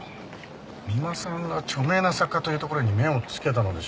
三馬さんが著名な作家というところに目をつけたのでしょうか。